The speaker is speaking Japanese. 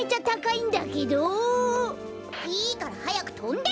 いいからはやくとんで！